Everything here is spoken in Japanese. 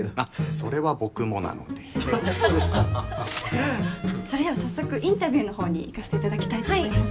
それでは早速インタビューの方にいかせていただきたいと思います。